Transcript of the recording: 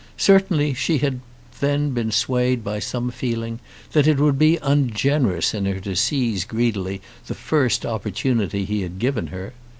Certainly she had then been swayed by some feeling that it would be ungenerous in her to seize greedily the first opportunity he had given her.